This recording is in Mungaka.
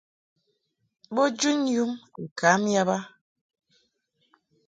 Bo jun yum a kam yab a.